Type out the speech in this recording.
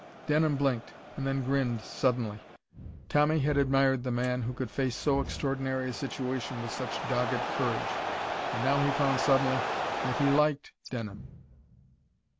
Denham blinked, and then grinned suddenly. Tommy had admired the man who could face so extraordinary a situation with such dogged courage, and now he found, suddenly, that he liked Denham.